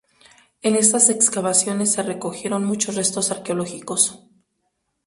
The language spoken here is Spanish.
En estas excavaciones se recogieron muchos restos arqueológicos.